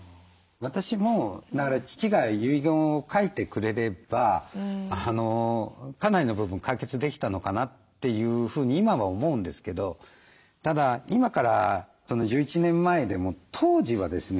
私もだから父が遺言を書いてくれればかなりの部分解決できたのかなというふうに今は思うんですけどただ今から１１年前でも当時はですね